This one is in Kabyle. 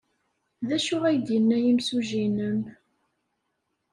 D acu ay d-yenna yimsujji-nnem?